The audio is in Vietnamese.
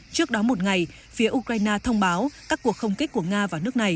trước đó một ngày phía ukraine thông báo các cuộc không kích của nga vào nước này